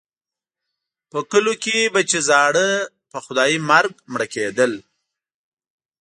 په کلیو کې به چې زاړه په خدایي مرګ مړه کېدل.